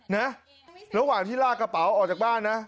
นะระหว่างที่ลากกระเป๋าออกจากบ้านนะ